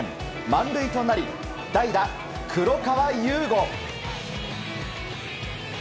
満塁となり代打、黒川裕梧。